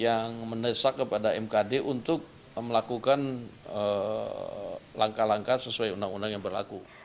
yang mendesak kepada mkd untuk melakukan langkah langkah sesuai undang undang yang berlaku